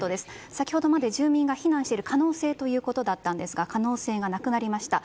先ほどまで住民が避難している可能性ということだったんですが可能性がなくなりました。